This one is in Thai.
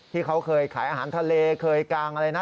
ที่เขาเคยขายอาหารทะเลเคยกางอะไรนะ